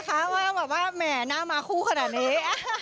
อะว่าแหม้งม้าขู้เฉ่านี้